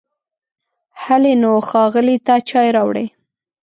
هلی نو، ښاغلي ته چای راوړئ!